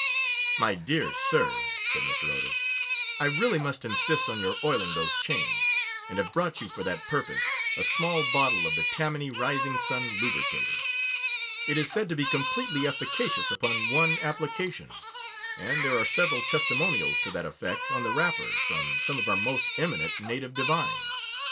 'My dear sir,' said Mr. Otis, 'I really must insist on your oiling those chains, and have brought you for that purpose a small bottle of the Tammany Rising Sun Lubricator. It is said to be completely efficacious upon one application, and there are several testimonials to that effect on the wrapper from some of our most eminent native divines.